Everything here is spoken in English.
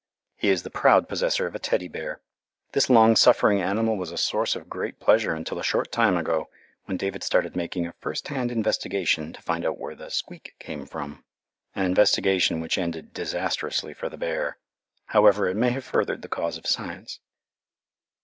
He is the proud possessor of a Teddy bear. This long suffering animal was a source of great pleasure until a short time ago when David started making a first hand investigation to find out where the "squeak" came from an investigation which ended disastrously for the bear, however it may have furthered the cause of science.